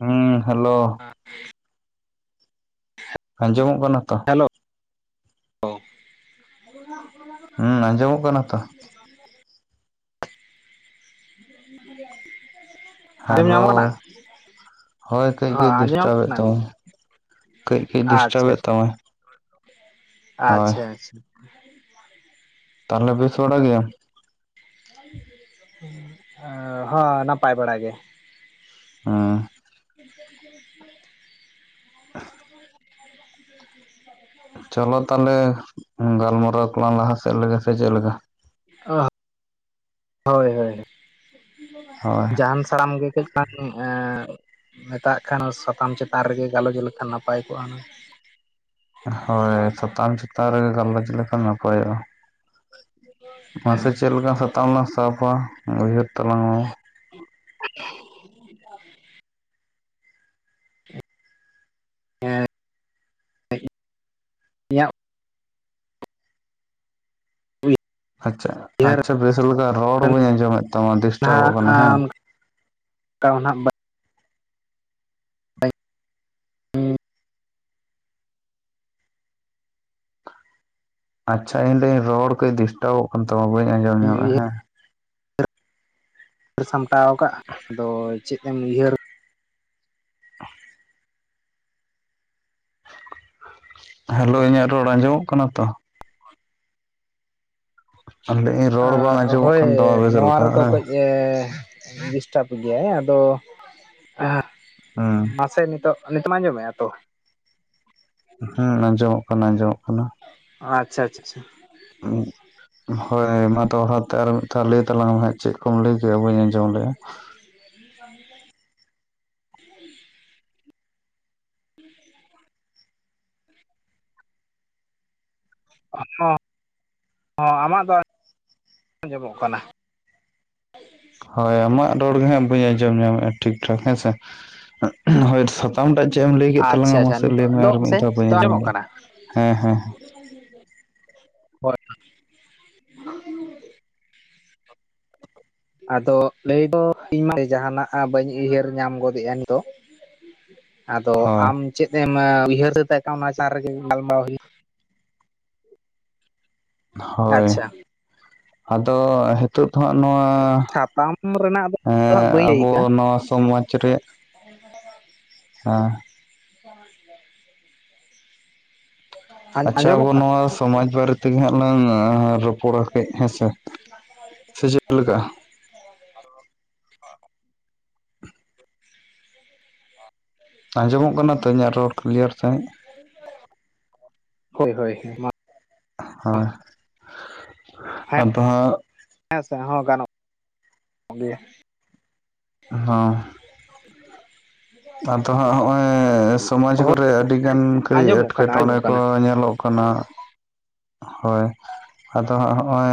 ᱦᱩᱸ ᱦᱮᱞᱳ [inaudible] ᱟᱸᱡᱚᱢᱚᱜ ᱠᱟᱱᱟ ᱛᱚ᱾ ᱦᱮᱞᱳ ᱚ [inaudible] ᱦᱩᱸ ᱟᱸᱡᱚᱢᱚᱜ ᱠᱟᱱᱟ ᱛᱚ [inaudible] ᱦᱮᱞᱳ ᱧᱟᱢᱚᱜ ᱠᱟᱱᱟ ᱦᱳᱭ ᱠᱟᱹᱡ ᱦᱚᱸ ᱠᱟᱹᱡ ᱟᱸᱡᱚᱢ ᱧᱟᱢᱚᱜ ᱰᱤᱥᱴᱟᱵᱮᱫ ᱠᱟᱱᱟ ᱛᱟᱢᱟ ᱠᱟᱹᱡ ᱠᱟᱹᱡ ᱰᱤᱥᱴᱟᱵ ᱟᱪᱪᱷᱟ ᱮ ᱛᱟᱢᱟᱭ᱾ ᱦᱳᱭ ᱟᱪᱪᱷᱟ ᱟᱪᱪᱷᱟ ᱛᱟᱦᱚᱞᱮ ᱯᱮᱥ ᱵᱟᱲᱟᱜ ᱜᱮᱭᱟᱢ? ᱦᱚᱸ ᱱᱟᱯᱟᱭ ᱵᱟᱲᱟ ᱜᱮ ᱦᱚᱸ [inaudible] [inaudible] [inaudible] ᱪᱚᱞᱚ ᱛᱟᱦᱚᱞᱮ, ᱜᱟᱞᱢᱟᱨᱟᱣ ᱠᱚᱞᱟᱝ ᱞᱟᱦᱟ ᱥᱮᱫ ᱥᱮ ᱪᱮᱫ ᱞᱮᱠᱟ? [inaudible] ᱦᱳᱭ ᱦᱳᱭ, ᱦᱳᱭ ᱡᱟᱦᱟᱸᱱ ᱦᱟᱲᱟᱢ ᱜᱮ ᱠᱟᱹᱡ ᱵᱟᱝ ᱮᱸᱻ, ᱢᱮᱛᱟᱜ ᱠᱷᱟᱱ ᱚᱱᱟ ᱥᱟᱛᱟᱢ ᱪᱮᱛᱟᱱ ᱨᱮᱜᱮ ᱜᱟᱞᱚᱪ ᱞᱮᱠᱷᱟᱱ ᱱᱟᱯᱟᱭ ᱠᱚᱜᱼᱟ ᱦᱩᱱᱟᱹᱝ᱾ ᱦᱳᱭ ᱥᱟᱛᱟᱢ ᱪᱮᱛᱟᱱ ᱨᱮᱜᱮ ᱜᱟᱞᱚᱪ ᱞᱮ ᱠᱷᱟᱱ ᱱᱟᱯᱟᱭᱚᱜᱼᱟ᱾ ᱦᱩᱸ ᱢᱟᱥᱮ- ᱪᱮᱫ ᱞᱮᱠᱟᱱ ᱥᱟᱛᱟᱢ ᱞᱟᱝ ᱥᱟᱵᱟ ᱩᱭᱦᱟᱹᱨ ᱛᱟᱞᱟᱝ ᱢᱮ᱾ [inaudible] ᱦᱮᱸ, ᱤᱧᱟᱜ ᱟᱪᱪᱷᱟ, ᱩᱭᱦᱟᱹᱨ ᱟᱪᱪᱷᱟ ᱵᱮᱥ ᱞᱮᱠᱟ ᱨᱚᱲ ᱵᱟᱹᱧ ᱟᱸᱡᱚᱢᱮᱫ ᱛᱟᱢᱟ ᱰᱤᱥᱴᱟᱵᱚᱜ ᱱᱟᱦᱟᱜ ᱠᱟᱱᱟ ᱦᱮᱸ᱾ [unintelligible] ᱟᱪᱪᱷᱟ ᱤᱧ ᱞᱟᱹᱭ-ᱟᱹᱧ ᱨᱚᱲ ᱠᱟᱹᱡ ᱰᱤᱥᱴᱟᱵᱚᱜ ᱠᱟᱱ ᱛᱟᱢᱟ ᱵᱟᱹᱧ ᱟᱸᱡᱚᱢ ᱧᱟᱢ ᱮᱫᱟ ᱩᱭᱦᱟᱹᱨ ᱦᱮᱸ᱾ ᱩᱭᱟᱹᱨ ᱥᱟᱢᱴᱟᱣ ᱟᱠᱟᱜ, ᱟᱫᱚ ᱪᱮᱫ ᱮᱢ ᱩᱭᱦᱟᱹᱨ ᱦᱮᱞᱳᱣ ᱤᱧᱟᱹᱜ ᱨᱚᱲ ᱟᱸᱡᱚᱢᱚᱜ ᱠᱟᱱᱟ ᱛᱚ? [inaudible] ᱟᱨ ᱞᱟᱹᱭ ᱟᱹᱧ ᱟᱺ ᱦᱳᱭ ᱱᱚᱣᱟ ᱨᱮᱫᱚ ᱠᱟᱹᱡ [unintelligible] ᱰᱤᱥᱴᱟᱵ ᱜᱮᱭᱟᱭ ᱟᱫᱚ ᱦᱩᱸ ᱢᱟᱥᱮ ᱱᱤᱛᱚᱜ, ᱱᱤᱛᱚᱜ [inaudible] ᱟᱸᱡᱚᱢᱮᱫᱼᱟ ᱛᱚ? ᱦᱩᱸ ᱟᱸᱡᱚᱢᱚᱜ ᱠᱟᱱᱟ ᱟᱸᱡᱚᱢᱚᱜ ᱠᱟᱱᱟ᱾ ᱟᱪᱪᱷᱟ ᱟᱪᱪᱷᱟ ᱟᱪᱪᱷᱟ᱾ ᱦᱳᱭ ᱢᱟ ᱫᱚᱲᱦᱟ ᱛᱮ ᱟᱨ ᱢᱤᱫ ᱫᱷᱟᱣ ᱞᱟᱹᱭ ᱛᱟᱞᱟᱝ ᱢᱮ ᱦᱟᱸᱜ ᱪᱮᱫ ᱠᱚᱢ ᱞᱟᱹᱭ ᱠᱮᱜ-ᱟ ᱵᱟᱹᱧ ᱟᱸᱡᱚᱢ ᱞᱮᱜᱼᱟ᱾ [inaudible] [inaudible] ᱦᱚᱸ ᱟᱢᱟᱜ ᱫᱚ [inaudible] ᱟᱸᱡᱚᱢᱚᱜ ᱠᱟᱱᱟ ᱾ ᱦᱳᱭ ᱟᱢᱟᱜ ᱨᱚᱲ ᱜᱮ ᱦᱟᱸᱜ ᱵᱟᱹᱧ ᱟᱸᱡᱚᱢ ᱧᱟᱢᱮᱜᱼᱟ ᱴᱷᱤᱠ ᱴᱷᱟᱠ ᱦᱮᱸ ᱥᱮ, ᱦᱳᱭ ᱥᱟ ᱛᱟᱢ ᱴᱟᱜ ᱪᱮᱜ ᱮᱢ ᱞᱟᱹᱭ ᱠᱮᱫ ᱟᱪᱪᱷᱟ ᱛᱟᱞᱟᱝᱟ ᱟᱪᱪᱷᱟ ᱢᱟᱥᱮ ᱱᱤᱛᱚᱜ ᱞᱟᱹᱭ ᱢᱮ ᱫᱚ ᱟᱨ ᱢᱤᱫ ᱥᱮ ᱫᱷᱟᱣ ᱵᱟᱹᱧ ᱟᱸᱡᱚᱢ ᱟᱸᱡᱚᱢᱚᱜ ᱞᱮᱫᱼᱟ, ᱠᱟᱱᱟ ᱦᱮᱸ ᱦᱮᱸ ᱦᱮᱸ᱾ ᱦᱳᱭ ᱟᱫᱚ ᱞᱟᱹᱭ ᱫᱚ ᱤᱧ ᱢᱟ ᱡᱟᱦᱟᱸᱱᱟᱜ ᱵᱟᱹᱧ ᱩᱭᱦᱟᱹᱨ ᱧᱟᱢ ᱜᱚᱫᱮᱜᱼᱟ ᱱᱤᱛᱚᱜ, [unintelligible] ᱟᱫᱚ ᱦᱳᱭ ᱟᱢ ᱪᱮᱫ ᱮᱢ ᱩᱭᱦᱟᱹᱨ ᱥᱟᱹᱛ ᱟᱠᱟᱜᱼᱟ ᱚᱱᱟ ᱪᱮᱛᱟᱱ ᱨᱮᱜᱮ ᱜᱟᱞᱢᱟᱨᱟᱣ ᱦᱩᱭᱩᱜ ᱦᱳᱭ, ᱟᱪᱪᱷᱟ ᱟᱫᱚ ᱦᱮᱛᱳᱜ ᱫᱚ ᱦᱟᱸᱜ ᱱᱚᱣᱟ ᱥᱟᱛᱟᱢ ᱨᱮᱱᱟᱜ ᱫᱚ ᱦᱟᱸᱜ ᱦᱮᱸᱻ ᱵᱟᱹᱧ ᱞᱟᱹᱭ ᱟᱵᱚ ᱠᱟᱜᱼᱟ ᱱᱚᱣᱟ ᱥᱚᱢᱟᱡᱽ ᱨᱮᱭᱟᱜ [inaudible] ᱦᱮᱸ᱾ [inaudible] ᱟᱪᱪᱷᱟ ᱟᱵᱚ ᱟᱸᱡᱚᱢᱚᱜ ᱠᱟᱱᱟ ᱱᱚᱣᱟ ᱥᱚᱢᱟᱡᱽ ᱵᱟᱨᱮ ᱛᱮᱜᱮ ᱦᱟᱸᱜ ᱞᱟᱝ ᱨᱚ ᱯᱚᱲᱟ ᱠᱟᱹᱡ ᱦᱮᱸ ᱥᱮ, ᱥᱮ ᱪᱮᱫ ᱞᱮᱠᱟᱜᱼᱟ? [inaudible] ᱟᱸᱡᱚᱢᱚᱜ ᱠᱟᱱᱟ ᱛᱚ ᱤᱧᱟᱹᱜ ᱨᱚᱲ ᱠᱞᱤᱭᱟᱨ ᱥᱟᱺᱦᱤᱡ? ᱦᱳᱭ ᱦᱳᱭ, ᱢᱟ ᱦᱳᱭ, ᱦᱮᱸ ᱟᱫᱚ ᱦᱟᱹᱜ ᱦᱮᱸ ᱥᱮ ᱦᱚᱸ ᱜᱟᱱᱚᱜ ᱜᱮᱭᱟ᱾ ᱦᱚᱸ ᱟᱫᱚ ᱦᱟᱸᱜ ᱦᱚᱸᱜ-ᱚᱭ ᱥᱚᱢᱟᱡᱽ ᱦᱳᱭ ᱠᱚᱨᱮ ᱟᱹᱰᱤᱜᱟᱱ ᱠᱟᱹᱡ ᱟᱸᱡᱚᱢᱚᱜ ᱠᱟᱱᱟ ᱮᱴᱠᱮᱴᱚᱬᱮ ᱟᱸᱡᱚᱢᱚᱜ ᱠᱚ ᱠᱟᱱᱟ ᱧᱮᱞᱚᱜ ᱠᱟᱱᱟ᱾ ᱦᱳᱭ, ᱟᱫᱚ ᱦᱟᱸᱜ ᱦᱚᱜ-ᱚᱭ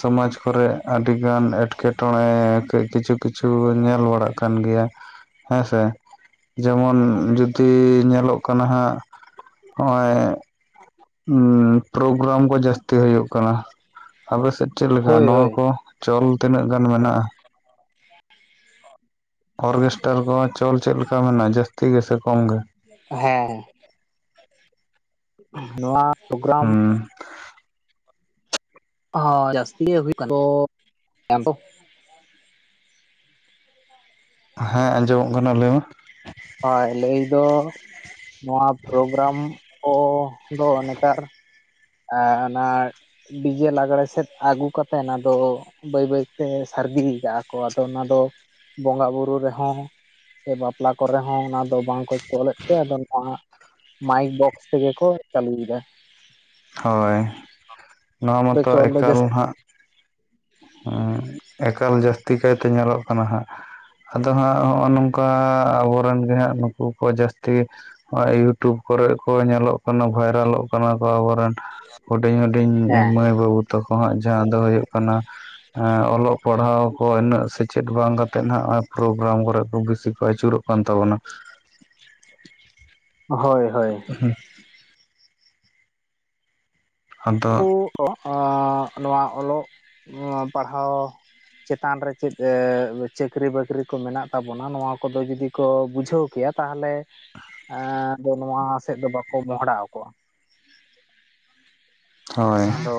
ᱥᱚᱢᱟᱡᱽ ᱠᱚᱨᱮ ᱟᱹᱰᱤᱜᱟᱱ ᱮᱴᱠᱮᱴᱚᱬᱮ ᱠᱟᱹᱡ ᱠᱤᱪᱷᱩ ᱠᱤᱪᱷᱩ ᱧᱮᱞ ᱵᱟᱲᱟᱜ ᱠᱟᱱ ᱜᱮᱭᱟ ᱦᱮᱸᱥᱮ᱾ ᱡᱮᱢᱚᱱ ᱡᱩᱫᱤ ᱧᱮᱞᱚᱜ ᱠᱟᱱᱟ ᱦᱟᱸᱜ ᱦᱚᱜ-ᱚᱭ ᱯᱨᱳᱜᱨᱟᱢ ᱠᱚ ᱡᱟᱹᱥᱛᱤ ᱦᱳᱭᱳᱜ ᱠᱟᱱᱟ ᱟᱯᱮ ᱥᱮᱫ ᱪᱮᱫ ᱞᱮᱠᱟ ᱦᱳᱭ ᱱᱚᱣᱟ ᱦᱳᱭ ᱠᱚ ᱪᱚᱞ ᱛᱤᱱᱟᱹᱜ ᱜᱟᱱ ᱢᱮᱱᱟᱜ-ᱟ? ᱚᱨᱠᱮᱥᱴᱟᱨ ᱠᱚ ᱪᱚᱞ ᱪᱮᱫ ᱞᱮᱠᱟ ᱢᱮᱱᱟᱜ-ᱟ ᱡᱟᱹᱥᱛᱤ ᱜᱮᱥᱮ ᱠᱚᱢ ᱜᱮ᱾ ᱦᱮᱸ ᱱᱚᱣᱟ ᱯᱨᱳᱜᱨᱟᱢ ᱦᱩᱸ ᱦᱚᱸ ᱡᱟᱹᱥᱛᱤ ᱜᱮ ᱦᱩᱭᱩᱜ ᱠᱟᱱᱟ [inaudible] ᱦᱮᱸ ᱟᱸᱡᱚᱢᱚᱜ ᱠᱟᱱᱟ ᱞᱟᱹᱭ ᱢᱮ᱾ ᱦᱳᱭ ᱞᱟᱹᱭ ᱫᱚ ᱱᱚᱣᱟ ᱯᱨᱳᱜᱨᱟᱢ ᱠᱚ ᱫᱚ ᱱᱮᱛᱟᱨ ᱟᱸ ᱚᱱᱟ ᱰᱤᱡᱮ ᱞᱟᱜᱽᱬᱮ ᱥᱮᱫ ᱟᱹᱜᱩ ᱠᱟᱛᱮᱫ ᱚᱱᱟ ᱫᱚ ᱵᱟᱹᱭ ᱵᱟᱹᱭᱛᱮ ᱥᱟᱨᱫᱤᱭ ᱠᱟᱜ-ᱟ ᱠᱚ ᱟᱫᱚ ᱚᱱᱟ ᱫᱚ ᱵᱚᱸᱜᱟ ᱵᱩᱨᱩ ᱨᱮᱦᱚᱸ ᱥᱮ ᱵᱟᱯᱞᱟ ᱠᱚᱨᱮ ᱦᱚᱸ ᱚᱱᱟ ᱫᱚ ᱵᱟᱝ ᱠᱚ ᱛᱚᱞᱮᱫ ᱛᱮ ᱟᱫᱚ ᱱᱚᱣᱟ ᱢᱟᱭᱤᱠ ᱵᱚᱠᱥ ᱛᱮᱜᱮ ᱠᱚ ᱪᱟᱹᱞᱩᱭ ᱮᱫᱟ᱾ ᱦᱳᱭ ᱱᱚᱣᱟ ᱟᱫᱚ ᱢᱟᱛᱚ ᱪᱚᱞ ᱫᱚ ᱮᱠᱟᱞ ᱡᱟᱹᱥᱛᱤ ᱦᱟᱸᱜ ᱮᱠᱟᱞ ᱡᱟᱹᱥᱛᱤ ᱠᱟᱭᱛᱮ ᱧᱮᱞᱚᱜ ᱠᱟᱱᱟ ᱦᱟᱸᱜ ᱟᱫᱚ ᱦᱟᱸᱜ ᱦᱚᱜ-ᱚ ᱱᱚᱝᱠᱟ ᱟᱵᱚᱨᱮᱱ ᱜᱮ ᱦᱟᱸᱜ ᱱᱩᱠᱩ ᱠᱚ ᱡᱟᱹᱥᱛᱤ ᱜᱮ ᱦᱚᱜ-ᱚᱭ ᱤᱭᱩᱴᱩᱵᱽ ᱠᱚᱨᱮᱫ ᱠᱚ ᱧᱮᱞᱚᱜ ᱠᱟᱱᱟ ᱵᱷᱟᱭᱨᱟᱞᱚᱜ ᱠᱟᱱᱟ ᱠᱚ ᱟᱵᱚᱨᱮᱱ ᱦᱩᱰᱤᱧ ᱦᱩᱰᱤᱧ ᱦᱮᱸ ᱢᱟᱹᱭ ᱵᱟᱹᱵᱩ ᱛᱟᱠᱚ ᱦᱟᱸᱜ ᱡᱟᱦᱟᱸ ᱫᱚ ᱦᱳᱭᱳᱜ ᱠᱟᱱᱟ ᱚᱞᱚᱜ ᱯᱟᱲᱦᱟᱣ ᱠᱚ ᱤᱱᱟᱹᱜ ᱥᱮᱪᱮᱫ ᱵᱟᱝ ᱠᱟᱛᱮ ᱱᱟᱦᱟᱜ ᱚᱱᱟ ᱯᱨᱳᱜᱨᱟᱢ ᱠᱚᱨᱮ ᱠᱚ ᱵᱤᱥᱤ ᱠᱚ ᱟᱹᱪᱩᱨᱚᱜ ᱠᱟᱱ ᱛᱟᱵᱚᱱᱟ᱾ ᱦᱳᱭ ᱦᱳᱭ, ᱦᱩᱸ ᱟᱫᱚ [inaudible] ᱱᱚᱣᱟ ᱚᱞᱚᱜ ᱱᱚᱣᱟ ᱯᱟᱲᱦᱟᱣ ᱪᱮᱛᱟᱱ ᱨᱮ ᱪᱮᱫ ᱪᱟᱹᱠᱨᱤ-ᱵᱟᱹᱠᱨᱤ ᱠᱚ ᱢᱮᱱᱟᱜ ᱛᱟᱵᱚᱱᱟ ᱱᱚᱣᱟ ᱠᱚᱫᱚ ᱡᱩᱫᱤ ᱠᱚ ᱵᱩᱡᱷᱟᱹᱣ ᱠᱮᱭᱟ ᱛᱟᱦᱚᱞᱮ ᱮᱸ ᱫᱚ ᱱᱚᱣᱟ ᱥᱮᱫ ᱫᱚ ᱵᱟᱠᱚ ᱢᱚᱦᱚᱰᱟᱣ ᱠᱚᱜ-ᱟ᱾ ᱦᱳᱭ ᱟᱫᱚ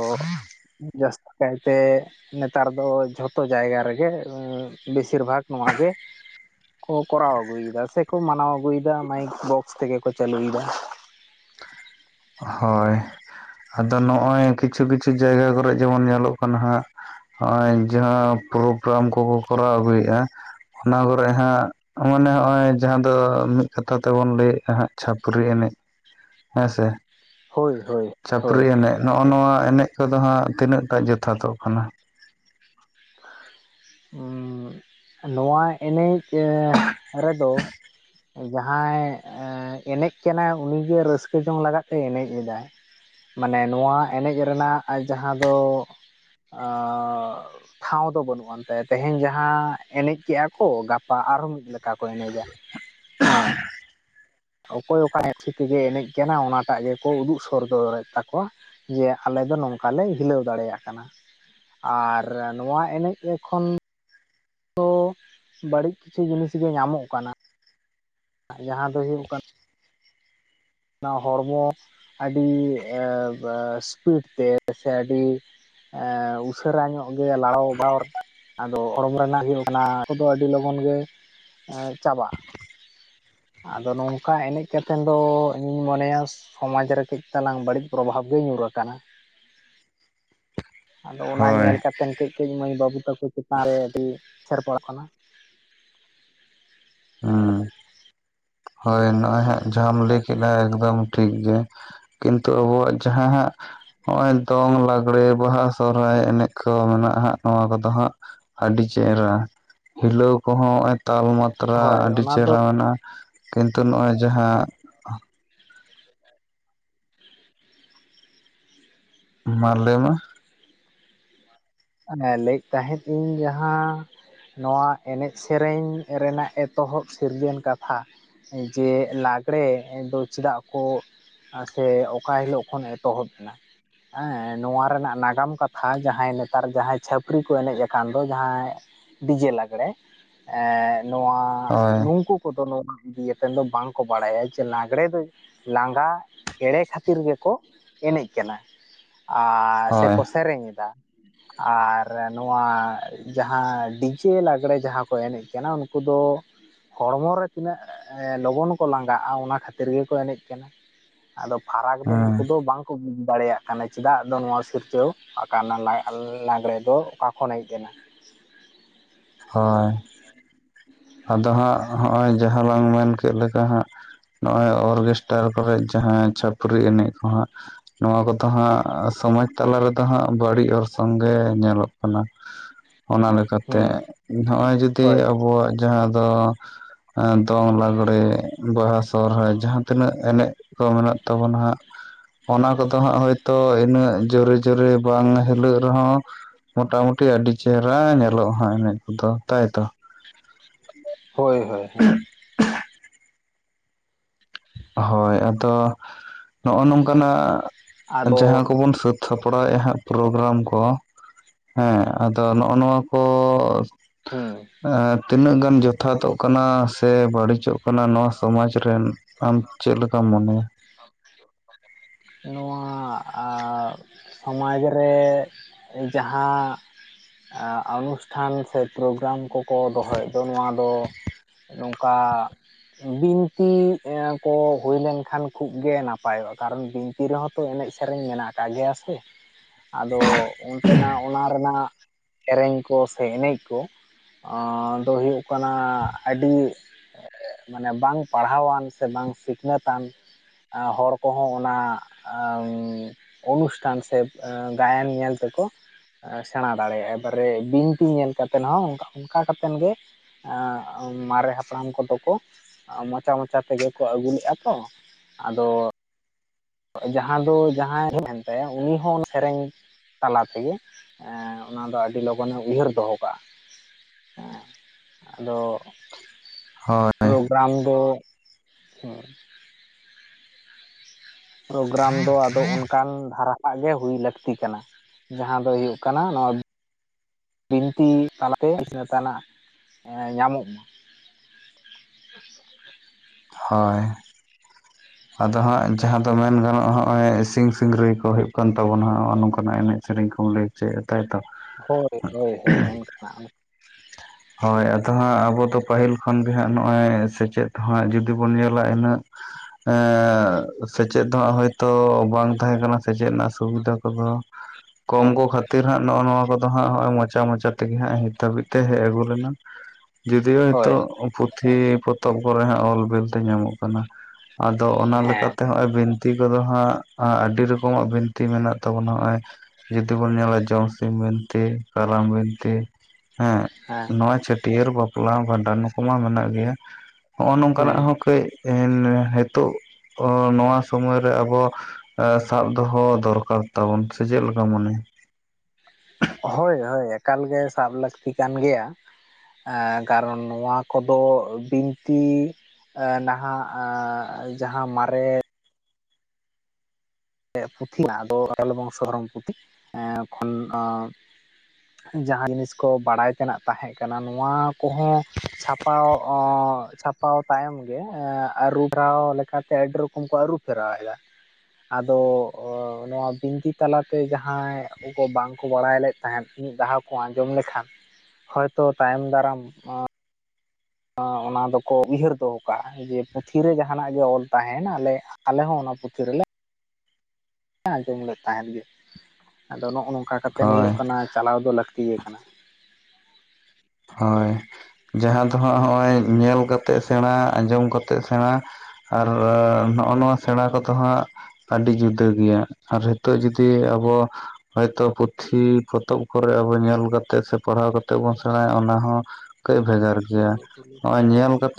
ᱡᱟᱹᱥᱛᱤ ᱠᱟᱭᱛᱮ ᱱᱮᱛᱟᱨ ᱫᱚ ᱡᱷᱚᱛᱚ ᱡᱟᱭᱜᱟ ᱨᱮᱜᱮ ᱵᱮᱥᱤᱨ ᱵᱷᱟᱜᱽ ᱱᱚᱣᱟ ᱜᱮ ᱠᱚ ᱠᱚᱨᱟᱣ ᱟᱹᱜᱩᱭ ᱮᱫᱟ ᱥᱮᱠᱚ ᱢᱟᱱᱟᱣ ᱟᱹᱜᱩᱭ ᱮᱫᱟ ᱢᱟᱹᱭᱤᱠ ᱵᱚᱠᱥ ᱛᱮᱜᱮ ᱠᱚ ᱪᱟᱹᱞᱩᱭ ᱮᱫᱟ᱾ ᱦᱳᱭ ᱟᱫᱚ ᱱᱚᱜ-ᱚᱭ ᱠᱤᱪᱷᱩ ᱠᱤᱪᱷᱩ ᱡᱟᱭᱜᱟ ᱠᱚᱨᱮ ᱡᱮᱢᱚᱱ ᱧᱮᱞᱚᱜ ᱠᱟᱱᱟ ᱦᱟᱸᱜ ᱦᱚᱜ-ᱚᱭ ᱡᱟᱦᱟᱸ ᱯᱨᱳᱜᱨᱟᱢ ᱠᱚᱠᱚ ᱠᱚᱨᱟᱣ ᱟᱹᱜᱩᱭ ᱮᱫ-ᱟ ᱚᱱᱟ ᱠᱚᱨᱮᱜ ᱦᱟᱸᱜ ᱢᱟᱱᱮ ᱦᱚᱜ-ᱚᱭ ᱡᱟᱦᱟᱸ ᱫᱚ ᱢᱤᱫ ᱠᱟᱛᱷᱟ ᱛᱮᱵᱚᱱ ᱞᱟᱹᱭᱮᱜ-ᱟ ᱦᱟᱸᱜ ᱪᱷᱟᱹᱯᱨᱤ ᱮᱱᱮᱡ ᱦᱮᱸ ᱥᱮ ᱦᱳᱭ ᱦᱳᱭ ᱦᱳᱭ ᱪᱷᱟᱹᱯᱨᱤ ᱮᱱᱮᱡ ᱱᱚᱜ-ᱚ ᱱᱚᱣᱟ ᱮᱱᱮᱡ ᱠᱚᱫᱚ ᱦᱟᱸᱜ ᱛᱤᱱᱟᱹᱜᱴᱟ ᱡᱚᱛᱷᱟᱛᱚᱜ ᱠᱟᱱᱟ᱾ ᱩᱸ ᱱᱚᱣᱟ ᱮᱱᱮᱡ ᱨᱮᱫᱚ ᱡᱟᱦᱟᱸᱭ ᱮᱱᱮᱡ ᱠᱟᱱᱟᱭ ᱩᱱᱤ ᱜᱮ ᱨᱟᱹᱥᱠᱟᱹ ᱡᱚᱝ ᱞᱟᱜᱟᱫ ᱮ ᱮᱱᱮᱡ ᱮᱫᱟᱭ᱾ ᱢᱟᱱᱮ ᱱᱚᱣᱟ ᱮᱱᱮᱡ ᱨᱮᱱᱟᱜ ᱡᱟᱦᱟᱸ ᱫᱚ ᱴᱷᱟᱶ ᱫᱚ ᱵᱟᱹᱱᱩᱜ ᱟᱱ ᱛᱟᱭᱟ ᱛᱮᱦᱮᱧ ᱡᱟᱦᱟᱸ ᱮᱱᱮᱡ ᱠᱮᱜ-ᱟ ᱠᱚ ᱜᱟᱯᱟ ᱟᱨᱦᱚᱸ ᱢᱤᱫ ᱞᱮᱠᱟ ᱠᱚ ᱮᱱᱮᱡᱟ᱾ ᱮᱸ ᱚᱠᱚᱭ ᱚᱠᱟ ᱟᱡ ᱤᱪᱷᱟᱹ ᱛᱮᱜᱮ ᱮᱱᱮᱡ ᱠᱟᱱᱟ᱾ ᱚᱱᱟᱴᱟ-ᱜ ᱜᱮᱠᱚ ᱩᱫᱩᱜ ᱥᱚᱫᱚᱨᱮᱫ ᱛᱟᱠᱚᱣᱟ᱾ ᱡᱮ ᱟᱞᱮ ᱫᱚ ᱱᱚᱝᱠᱟᱞᱮ ᱦᱤᱞᱟᱹᱣ ᱫᱟᱲᱮᱭᱟ-ᱜ ᱠᱟᱱᱟ᱾ ᱟᱨ ᱱᱚᱣᱟ ᱮᱱᱮᱡ ᱮᱸ ᱠᱷᱚᱱᱼᱼ ᱛᱚ ᱵᱟᱹᱲᱤᱡ ᱠᱤᱪᱷᱩ ᱡᱤᱱᱤᱥ ᱜᱮ, ᱧᱟᱢᱚᱜ ᱠᱟᱱᱟ᱾ ᱡᱟᱦᱟᱸ ᱫᱚ ᱦᱩᱭᱩ-ᱜ ᱠᱟᱱᱟ᱾ ᱚᱱᱟ ᱦᱚᱲᱢᱚ ᱟᱹᱰᱤ ᱤᱥᱯᱤᱰ ᱛᱮ, ᱥᱮ ᱟᱹᱰᱤ ᱮᱸ ᱩᱥᱟᱹᱨᱟ ᱧᱚᱜ ᱜᱮ ᱞᱟᱲᱟᱣ ᱵᱟᱼᱼ ᱟᱫᱚ ᱦᱚᱲᱚᱢ ᱨᱮᱱᱟ-ᱜ ᱦᱩᱭᱩᱜ ᱠᱟᱱᱟ᱾ ᱚᱠᱛᱚ ᱫᱚ ᱟᱹᱰᱤ ᱞᱚᱜᱚᱱ ᱜᱮ ᱪᱟᱵᱟᱜᱼᱟ᱾ ᱟᱫᱚ ᱱᱚᱝᱠᱟ ᱮᱱᱮᱡ ᱠᱟᱛᱮᱱ ᱫᱚ ᱤᱧ-ᱤᱧ ᱢᱚᱱᱮᱭᱟ, ᱥᱚᱢᱟᱡᱽ ᱨᱮ ᱠᱟᱹᱡ ᱛᱟᱞᱟᱝ ᱵᱟᱹᱲᱤᱡ ᱯᱨᱚᱵᱷᱟᱵᱽ ᱜᱮ ᱧᱩᱨ ᱟᱠᱟᱱᱟ᱾ ᱟᱫᱚ ᱚᱱᱟ ᱦᱳᱭ ᱧᱮᱞ ᱠᱟᱛᱮᱫ ᱠᱟᱹᱡ, ᱠᱟᱹᱡ ᱢᱟᱹᱭ - ᱵᱟᱹᱵᱩ ᱛᱟᱠᱚ ᱪᱮᱛᱟᱱ ᱨᱮ, ᱟᱹᱰᱤ ᱥᱮᱨ ᱯᱟᱲᱟᱜ ᱠᱟᱱᱟ᱾ ᱦᱩᱸ ᱦᱳᱭ ᱱᱚᱜᱼᱚᱭ ᱦᱟᱸᱜ, ᱡᱟᱦᱟᱢ ᱞᱟᱹᱭ ᱠᱮᱫ ᱮᱠᱫᱚᱢ ᱴᱷᱤᱠ ᱜᱮ ᱠᱤᱱᱛᱩ ᱟᱵᱚᱣᱟᱜᱼᱟ᱾ ᱡᱟᱦᱟᱸ ᱦᱟᱸᱜ ᱱᱚᱜᱼᱚᱭ ᱫᱚᱝ, ᱞᱟᱸᱜᱽᱲᱮ, ᱵᱟᱦᱟ, ᱥᱚᱦᱨᱟᱭ, ᱮᱱᱮᱡ ᱠᱚ ᱢᱮᱱᱟᱜᱼᱟ ᱾ᱦᱟᱸᱜ ᱱᱚᱣᱟ ᱠᱚᱫᱚ ᱦᱟᱸᱜ ᱟᱹᱰᱤ ᱪᱮᱦᱨᱟ ᱾ ᱦᱤᱞᱟᱹᱣ ᱠᱚᱼᱦᱚᱸ ᱱᱚᱜᱼᱚᱭ ᱛᱟᱞᱢᱟᱛᱨᱟ, ᱦᱳᱭ ᱟᱹᱰᱤ ᱚᱱᱟ ᱫᱚ ᱪᱮᱦᱨᱟ ᱢᱮᱱᱟᱜᱼᱟ᱾ ᱠᱤᱱᱛᱩ ᱱᱚᱜᱼᱚᱭ ᱡᱟᱦᱟᱸ᱾ ᱢᱟ ᱞᱟᱹᱭ ᱢᱮ? ᱞᱟᱹᱭᱮᱫ ᱛᱟᱦᱮᱸᱫ ᱤᱧ ᱡᱟᱦᱟᱸ᱾ ᱱᱚᱣᱟ ᱮᱱᱮᱡ, ᱥᱮᱨᱮᱧ ᱨᱮᱱᱟ-ᱜ ᱮᱛᱚᱦᱚᱵ ᱥᱤᱨᱡᱟᱹᱱ ᱠᱟᱛᱷᱟ᱾ ᱡᱮ ᱞᱟᱸᱜᱽᱲᱮ ᱫᱚᱸ ᱪᱮᱫᱟᱜ ᱠᱚ ᱥᱮ ᱚᱠᱟ ᱦᱤᱞᱳ-ᱜ ᱠᱷᱚᱱ ᱮᱛᱚᱦᱚᱵ ᱮᱱᱟ? ᱮᱸ ᱱᱚᱣᱟ ᱨᱮᱱᱟᱜ ᱱᱟᱜᱟᱢ ᱠᱟᱛᱷᱽᱟ᱾ ᱡᱟᱦᱟᱸᱭ ᱱᱮᱼᱼ ᱱᱮᱛᱟᱨ ᱡᱟᱦᱟᱸᱭ ᱪᱷᱟᱹᱯᱨᱤ ᱠᱚ ᱮᱱᱮᱡ ᱟᱠᱟᱱ ᱫᱚ᱾ ᱡᱟᱦᱟᱸᱭ ᱰᱤᱡᱮ ᱞᱟᱸᱜᱽᱬᱮᱸ ᱮᱸ ᱱᱚᱣᱟ ᱦᱳᱭ ᱜᱩᱝᱼᱼ ᱫᱚ ᱱᱚᱣᱟ ᱤᱫᱤ ᱟᱛᱮᱫ ᱫᱚ, ᱵᱟᱝᱠᱚ ᱵᱟᱲᱟᱭᱟ ᱾ᱡᱮ ᱞᱟᱸᱜᱽᱲᱮ ᱫᱚ ᱞᱟᱸᱜᱟ ᱮᱲᱮᱸ ᱠᱷᱟᱹᱛᱤᱨ ᱜᱮ-ᱠᱚ ᱮᱱᱮᱡ ᱠᱟᱱᱟ᱾ ᱟᱨ ᱥᱮ ᱦᱳᱭ ᱠᱚ ᱥᱮᱨᱮᱧ ᱮᱫᱟ᱾ ᱟᱨ ᱱᱚᱣᱟ ᱡᱟᱦᱟᱸ ᱰᱤᱡᱮ ᱞᱟᱸᱜᱽᱬᱮᱸ ᱡᱟᱦᱟᱸ ᱠᱚ ᱮᱱᱮᱡ ᱠᱟᱱᱟ᱾ ᱩᱱᱠᱩ ᱫᱚ ᱦᱚᱲᱢᱚ ᱨᱮ ᱛᱤᱱᱟᱹᱜ ᱞᱚᱜᱚᱱ ᱠᱚ ᱞᱟᱸᱜᱟᱜᱼᱟ᱾ ᱚᱱᱟ ᱠᱷᱟᱹᱛᱤᱨ ᱜᱮᱠᱚ ᱮᱱᱮᱡ ᱠᱟᱱᱟ᱾ ᱟᱫᱚ ᱯᱷᱟᱨᱟᱠ ᱫᱚ ᱦᱩᱸ ᱱᱩᱠᱩ ᱫᱚ, ᱵᱟᱝᱠᱚ ᱵᱩᱡ ᱫᱟᱲᱮᱭᱟ-ᱜ ᱠᱟᱱᱟ᱾ ᱪᱮᱫᱟᱜ ᱫᱚ ᱱᱚᱣᱟ ᱥᱤᱨᱡᱟᱹᱣ ᱟᱠᱟᱱᱟᱼᱼ ᱞᱟᱸᱜᱽᱲᱮ ᱫᱚ ᱚᱠᱟ ᱠᱷᱚᱱ ᱦᱮᱡ ᱮᱱᱟ? ᱦᱚᱭ ᱟᱫᱚ ᱦᱟᱸᱜ ᱦᱚᱸ-ᱚᱭ ᱡᱟᱦᱟᱸ ᱞᱟᱝ ᱢᱮᱱ ᱠᱮᱫ ᱞᱮᱠᱟ ᱾ᱦᱟᱸᱜ ᱱᱚᱜᱼᱚᱭ ᱚᱨᱠᱮᱥᱴᱟᱨ ᱠᱚᱨᱮᱜ ᱡᱟᱦᱟᱸ ᱪᱷᱟᱹᱯᱨᱤ ᱮᱱᱮᱡ ᱠᱚ ᱦᱟᱸᱜ ᱼᱼ ᱱᱚᱣᱟ ᱠᱚᱼᱫᱚ ᱦᱟᱸᱜ, ᱥᱚᱢᱟᱡᱽ ᱛᱟᱞᱟ ᱨᱮᱫᱚ ᱦᱟᱸᱜ, ᱵᱟᱹᱲᱤᱡ ᱚᱨᱥᱚᱝ ᱜᱮ ᱧᱮᱞᱚᱜ ᱠᱟᱱᱟ। ᱚᱱᱟ ᱞᱮᱠᱟᱛᱮ, ᱦᱩᱸ ᱱᱚᱜᱼᱚᱭ ᱡᱩᱫᱤ ᱦᱳᱭ ᱟᱵᱚᱣᱟᱼᱜ ᱡᱟᱦᱟᱸ ᱫᱚ ᱼᱼ ᱟ ᱫᱚᱝ ᱞᱟᱜᱽᱲᱮ, ᱵᱟᱦᱟ ᱥᱚᱦᱚᱨᱟᱭ, ᱡᱟᱦᱟᱸ ᱼᱼ ᱛᱤᱱᱟᱹᱜ ᱮᱱᱮᱡ ᱠᱚ ᱢᱮᱱᱟ-ᱜ ᱛᱟᱵᱚᱱᱟ᱾ ᱦᱟᱸᱜ ᱚᱱᱟ ᱠᱚᱼᱫᱚ ᱦᱟᱸᱜ ᱦᱳᱭᱛᱳ ᱤᱱᱟᱹᱜ ᱡᱳᱨᱮ, ᱡᱳᱨᱮ ᱵᱟᱝ ᱦᱤᱞᱟᱹᱜ ᱨᱮᱦᱚᱸ ᱼᱼ ᱢᱚᱴᱟᱢᱩᱴᱤ ᱟᱹᱰᱤ ᱪᱮᱦᱨᱟ ᱧᱮᱞᱚᱜᱼᱟ᱾ ᱦᱟᱸᱜ ᱮᱱᱮᱡ ᱠᱚᱫᱚ। ᱛᱟᱭᱛᱚ? ᱦᱳᱭ ᱦᱳᱭ ᱦᱳᱭ [inaudible] ᱦᱳᱭ ᱟᱫᱚ, ᱱᱚᱜᱼᱚ ᱱᱚᱝᱠᱟᱱᱟᱼᱜ ᱟᱫᱚ ᱡᱟᱦᱟᱸ ᱠᱚᱵᱚᱱ ᱥᱟᱹᱛ ᱼᱼ ᱥᱟᱯᱲᱟᱣᱮᱫᱼᱟ ᱦᱟᱸᱜ, ᱯᱨᱳᱜᱨᱟᱢ ᱠᱚ, ᱦᱮᱸ, ᱟᱫᱚ ᱱᱚᱜᱼᱚ ᱱᱚᱣᱟ ᱠᱚ ᱦᱩᱸ ᱼᱼ ᱮᱸ ᱛᱤᱱᱟᱹᱜ ᱜᱟᱱ ᱡᱚᱛᱷᱟᱛᱚ-ᱜ ᱠᱟᱱᱟ? ᱥᱮ ᱵᱟᱹᱲᱤᱡᱚᱜ ᱠᱟᱱᱟ ᱱᱚᱣᱟ ᱥᱚᱢᱟᱡᱽ ᱨᱮᱱ ᱟᱢ ᱪᱮᱫ ᱞᱮᱠᱟᱢ ᱢᱚᱱᱮᱭᱟ? ᱱᱚᱣᱟ ᱟᱨ ᱥᱚᱢᱟᱡᱽ ᱨᱮ ᱡᱟᱦᱟᱸ ᱼᱼ ᱟᱻ ᱚᱱᱩᱥᱴᱷᱟᱱ ᱥᱮ ᱯᱨᱳᱜᱨᱟᱢ ᱠᱚᱠᱚ ᱫᱚᱦᱚᱭᱮᱫ ᱫᱚ, ᱱᱚᱣᱟ ᱫᱚ ᱼᱼ ᱱᱚᱝᱠᱟᱻ ᱵᱤᱱᱛᱤ ᱮᱸ ᱠᱚ ᱦᱩᱭᱞ ᱞᱮᱱ ᱠᱷᱟᱱ ᱠᱷᱩᱵ ᱜᱮ ᱱᱟᱯᱟᱭᱚᱜᱼᱟ। ᱠᱟᱨᱚᱱ ᱵᱤᱱ ᱛᱤ ᱨᱮᱦᱚᱸ ᱛᱚ ᱮᱱᱮᱡ ᱥᱮᱨᱮᱧ ᱢᱮᱱᱟᱜ ᱟᱠᱟᱫ ᱜᱮᱭᱟ ᱥᱮ। ᱟᱫᱚ ᱚᱱᱛᱮᱱᱟᱜ ᱚᱱᱟ ᱨᱮᱱᱟᱜ ᱥᱮᱨᱮᱧ ᱠᱚ, ᱥᱮ ᱮᱱᱮᱡ ᱠᱚ। ᱟᱸᱻ ᱫᱚ ᱦᱩᱭᱩᱜ ᱠᱟᱱᱟ ᱟᱹᱰᱤ ᱼᱼ ᱮ ᱢᱟᱱᱮ ᱵᱟᱝ ᱯᱟᱲᱦᱟᱣᱟᱱ, ᱥᱮ ᱵᱟᱝ ᱥᱤᱠᱷᱱᱟᱹᱛᱟᱱ। ᱟ ᱦᱚᱲ ᱠᱚᱦᱚᱸ ᱚᱱᱟ ᱚᱱᱩᱥᱴᱷᱟᱱ ᱥᱮ ᱜᱟᱭᱟᱱ ᱧᱮᱞ ᱛᱮᱠᱚ ᱼᱼ ᱮ [unintelligible] ᱥᱮᱬᱟ ᱫᱟᱲᱮᱭᱟᱜᱼᱟ। ᱮᱵᱟᱨᱮ ᱵᱤᱱᱛᱤ ᱧᱮᱞ ᱠᱟᱛᱮᱫ ᱦᱚᱸ ᱚᱱᱠᱟ ᱠᱟᱛᱮᱫ ᱜᱮ ᱮᱸᱻ ᱢᱟᱨᱮ ᱦᱟᱯᱲᱟᱢ ᱠᱚᱫᱚ ᱠᱚ, ᱢᱚᱪᱟ ᱢᱚᱪᱟ ᱛᱮᱜᱮ ᱠᱚ ᱟᱹᱜᱩ ᱞᱮᱜᱼᱟ ᱛᱚ। ᱟᱫᱚ ᱡᱟᱦᱟᱸ ᱫᱚ ᱡᱟᱦᱟᱸᱭ ᱢᱮᱱ ᱛᱟᱭᱟ ᱩᱱᱤ ᱦᱚᱸ ᱥᱮᱨᱮᱧ ᱛᱟᱞᱟ ᱛᱮᱜᱮ ᱼᱼ ᱮ ᱚᱱᱟ ᱫᱚ ᱟᱹᱰᱤ ᱞᱚᱜᱚᱱᱮ ᱩᱭᱦᱟᱹᱨ ᱫᱚᱦᱚ ᱠᱟᱜᱼᱟ। ᱮ ᱟᱫᱚᱻ ᱦᱳᱭ ᱯᱨᱳᱜᱨᱟᱢ ᱫᱚ ᱯᱨᱳᱜᱨᱟᱢ ᱫᱚ ᱟᱫᱚ ᱚᱱᱠᱟᱱ ᱫᱷᱟᱨᱟ ᱦᱟᱜ ᱜᱮ ᱦᱩᱭ ᱞᱟᱹᱠᱛᱤ ᱠᱟᱱᱟ। ᱡᱟᱦᱟᱸ ᱫᱚ ᱦᱩᱭᱩᱜ ᱠᱟᱱᱟ ᱱᱚᱣᱟ ᱼᱼ ᱵᱤᱱᱛᱤ ᱛᱟᱞᱟᱛᱮ [unintelligible] ᱛᱟᱱᱟᱜ ᱧᱟᱢᱚᱜ ᱢᱟ। ᱦᱳᱭ ᱟᱫᱚ ᱦᱟᱸᱜ ᱡᱟᱦᱟᱸ ᱫᱚ ᱢᱮᱱ ᱜᱟᱱᱚᱜᱼᱟ ᱦᱚᱸᱜᱼᱚᱭ ᱥᱤᱧ ᱥᱤᱝᱨᱤ ᱠᱚ ᱦᱩᱭᱩᱜ ᱠᱟᱱ ᱛᱟᱵᱚᱱᱟ᱾ ᱦᱚᱸᱜᱼᱚ ᱱᱚᱝᱠᱟᱱᱟᱜ ᱮᱱᱮᱡ ᱥᱮᱨᱮᱧ ᱠᱚ ᱞᱟᱹᱭ ᱼᱼ ᱪᱮᱫ ᱛᱟᱭ ᱛᱚ ᱦᱳᱭ ᱦᱳᱭ ᱦᱳᱭ ᱚᱱᱠᱟᱱᱟᱜ। [inaudible] ᱦᱳᱭ ᱟᱫᱚ ᱦᱟᱸᱜ ᱟᱵᱚ ᱫᱚ ᱯᱟᱹᱦᱤᱞ ᱠᱷᱚᱱᱜ ᱦᱟᱸᱜ ᱱᱚᱜᱼᱚᱭ ᱥᱮᱪᱮᱫ ᱦᱟᱸᱜ ᱡᱩᱫᱤ ᱵᱚᱱ ᱧᱮᱞᱟ। ᱤᱱᱟᱹᱜ ᱼᱼ ᱦᱮᱸᱻ ᱥᱮᱪᱮᱫ ᱫᱚ ᱦᱟᱸᱜ ᱦᱳᱭᱛᱚ ᱵᱟᱝ ᱛᱟᱦᱮᱸ ᱠᱟᱱᱟ, ᱥᱮᱪᱮᱫ ᱨᱮᱱᱟᱜ ᱥᱩᱵᱤᱫᱷᱟ ᱠᱚᱫᱚ। [inaudible] ᱠᱚᱢ ᱠᱚ ᱠᱷᱟᱹᱛᱤᱨ ᱦᱟᱸᱜ ᱱᱚᱜᱼᱚ ᱱᱚᱣᱟ ᱠᱚᱫᱚ ᱦᱟᱸᱜ ᱦᱚᱸᱜᱼᱚᱭ ᱢᱚᱪᱟ ᱢᱚᱟ ᱛᱮᱜᱮ ᱦᱟᱸᱜ ᱱᱤᱛ ᱦᱟᱹᱵᱤᱡ ᱛᱮ ᱦᱮᱡ ᱟᱹᱜᱩ ᱞᱮᱱᱟ। ᱡᱩᱫᱤ ᱦᱚᱭᱛᱚ ᱦᱳᱭ ᱱᱤᱛᱳᱜ ᱯᱩᱛᱷᱤ ᱯᱚᱛᱚᱵᱽ ᱠᱚᱨᱮ ᱦᱟᱸᱜ ᱚᱞ ᱵᱤᱞ ᱛᱮ ᱧᱟᱢᱚᱜ ᱠᱟᱱᱟ। ᱟᱫᱚ ᱚᱱᱟ ᱦᱮᱸ ᱞᱮᱠᱟᱛᱮ ᱦᱚᱸᱜᱼᱚᱭ ᱵᱤᱱᱛᱤ ᱠᱚᱫᱚ ᱦᱟᱸᱜ ᱟᱹᱰᱤ ᱨᱚᱠᱚᱢᱟᱜ ᱵᱤᱱᱛᱤ ᱢᱮᱱᱟᱜ ᱼᱼ ᱛᱟᱵᱚᱱᱟ। ᱱᱚᱜᱼᱚᱭ ᱡᱩᱫᱤ ᱵᱚᱱ ᱧᱮᱞᱟ ᱡᱚᱢᱥᱤᱢ ᱵᱤᱱᱛᱤ, ᱠᱟᱨᱟᱢ ᱵᱤᱱᱛᱤ। ᱦᱮᱸ ᱱᱚᱣᱟ ᱪᱷᱟᱹᱴᱭᱟᱹᱨ, ᱵᱟᱯᱞᱟ, ᱵᱷᱟᱸᱰᱟᱱ ᱱᱩᱠᱩ ᱢᱟ ᱢᱮᱱᱟᱜ ᱜᱮᱭᱟ। ᱦᱚᱸᱜᱼᱚ ᱱᱚᱝᱠᱟᱱᱟᱜ ᱦᱩᱸ ᱦᱚᱸ ᱠᱟᱹᱡ ᱮ ᱱᱤᱛᱚᱜ ᱱᱚᱣᱟ ᱥᱚᱢᱚᱭ ᱨᱮ ᱟᱵᱚ ᱼᱼ ᱮ ᱥᱟᱵ ᱫᱚᱦᱚ ᱫᱚᱨᱠᱟᱨ ᱛᱟᱵᱚᱱ। ᱥᱮ ᱪᱮᱫ ᱞᱮᱠᱟᱢ ᱢᱚᱱᱮᱭᱟ? ᱦᱳᱭ ᱦᱳᱭ ᱮᱠᱟᱞ ᱜᱮ ᱥᱟᱵ ᱞᱟᱹᱠᱛᱤ ᱠᱟᱱ ᱜᱮᱭᱟ ᱠᱟᱨᱚᱱ ᱱᱚᱣᱟ ᱠᱚᱫᱚ ᱵᱤᱱᱛᱤ ᱱᱟᱦᱟᱜ ᱡᱟᱦᱟᱸ ᱢᱟᱨᱮ ᱯᱩᱛᱷᱤ ᱱᱟ ᱟᱫᱚ ᱟᱮᱞ ᱵᱚᱝᱥᱚ ᱫᱷᱚᱨᱚᱢ ᱯᱩᱛᱷᱤᱠ ᱮᱸ ᱠᱷᱚᱱ ᱡᱟᱦᱟᱸ ᱡᱤᱱᱤᱥ ᱠᱚ ᱵᱟᱲᱟᱭ ᱛᱮᱱᱟᱜ ᱛᱟᱦᱮᱸ ᱠᱟᱱᱟ ᱱᱚᱣᱟ ᱠᱚᱦᱚᱸ ᱪᱷᱟᱯᱟᱣ ᱪᱷᱟᱯᱟᱣ ᱛᱟᱭᱚᱢ ᱜᱮ ᱟᱹᱨᱩ ᱯᱷᱮᱨᱟᱣ ᱞᱮᱠᱟᱛᱮ ᱟᱹᱰᱤ ᱨᱚᱠᱚᱢ ᱠᱚ ᱟᱹᱨᱩ ᱯᱷᱮᱨᱟᱣᱮᱫᱟ ᱟᱫᱚ ᱚ ᱱᱚᱣᱟ ᱵᱤᱱᱛᱤ ᱛᱟᱞᱟᱛᱮ ᱡᱟᱦᱟᱸᱭ ᱩᱸ ᱠᱩ ᱵᱟᱝ ᱠᱚ ᱵᱟᱲᱟᱭ ᱞᱮᱫ ᱛᱟᱦᱮᱸᱫ, ᱢᱤᱫ ᱫᱷᱟᱣ ᱠᱚ ᱟᱸᱡᱚᱢ ᱞᱮᱠᱷᱟᱱ, ᱦᱚᱭᱛᱳ ᱛᱟᱭᱚᱢ ᱫᱟᱨᱟᱢ ᱚᱸ ᱚᱸ ᱚᱱᱟ ᱫᱚᱠᱚ ᱩᱭᱦᱟᱹᱨ ᱫᱚᱦᱚ ᱠᱟᱜᱼᱟ᱾ ᱡᱮ ᱯᱩᱛᱷᱤ ᱨᱮ ᱡᱟᱦᱟᱸᱱᱟᱜ ᱜᱮ ᱚᱞ ᱛᱟᱦᱮᱸᱱ ᱟᱞᱮ, ᱟᱞᱮ ᱦᱚᱸ ᱚᱱᱟ ᱯᱩᱛᱷᱤ ᱨᱮᱞᱮ ᱟᱸᱡᱚᱢ ᱞᱮᱫ ᱛᱟᱦᱮᱸᱫ ᱜᱮ, ᱟᱫᱚ ᱱᱚᱜᱼᱚᱼ ᱱᱚᱝᱠᱟ ᱠᱟᱛᱮᱱ ᱦᱳᱭ ᱦᱩᱭᱩᱜ ᱠᱟᱱᱟ ᱪᱟᱞᱟᱣ ᱫᱚ ᱞᱟᱹᱠᱛᱤ ᱜᱮ ᱠᱟᱱᱟ᱾ ᱦᱳᱭ, ᱡᱟᱦᱟᱸ ᱫᱚᱦᱟᱸᱜ ᱦᱚᱸᱜᱼᱚᱭ ᱧᱮᱞ ᱠᱟᱛᱮᱜ ᱥᱮᱬᱟ ᱟᱸᱡᱚᱢ ᱠᱟᱛᱮᱜ ᱥᱮᱬᱟ ᱟᱨᱻ ᱱᱚᱜᱼᱚ ᱱᱚᱣᱟ ᱥᱮᱬᱟ ᱠᱚᱫᱚ ᱦᱟᱸᱜ ᱟᱹᱰᱤ ᱡᱩᱫᱟᱹ ᱜᱮᱭᱟ, ᱟᱨ ᱛᱚᱜ ᱡᱩᱫᱤ ᱟᱵᱚ ᱦᱚᱭᱛᱚ ᱯᱩᱛᱷᱤ ᱯᱚᱛᱚᱵ ᱠᱚᱨᱮ ᱟᱵᱚ ᱧᱮᱞ ᱠᱟᱛᱮᱜ ᱥᱮ ᱯᱟᱲᱦᱟᱣ ᱠᱟᱛᱮᱜ ᱵᱚᱱ ᱥᱮᱬᱟᱭᱟ ᱚᱱᱟ ᱦᱚᱸ ᱠᱟᱹᱜ ᱵᱷᱮᱜᱟᱨ ᱜᱮᱭᱟ, ᱱᱚᱜᱼᱚᱭ ᱧᱮᱞ ᱠᱟᱛ-